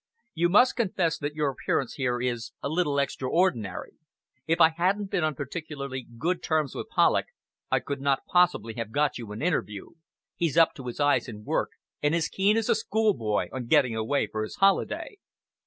You must confess that your appearance here is a little extraordinary. If I hadn't been on particularly good terms with Polloch, I could not possibly have got you an interview. He's up to his eyes in work, and as keen as a schoolboy on getting away for his holiday."